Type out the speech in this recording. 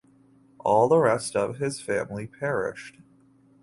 All the rest of his family perished.